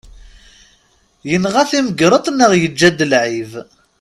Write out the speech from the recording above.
Yenɣa timgreḍt neɣ yeǧǧa-d lɛib.